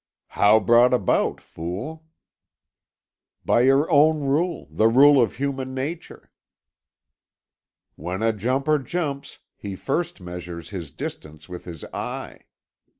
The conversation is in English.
"How brought about, fool?" "By your own rule, the rule of human nature." "When a jumper jumps, he first measures his distance with his eye.